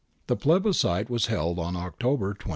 ^ The plebiscite was held on October 21.